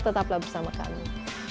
tetaplah bersama kami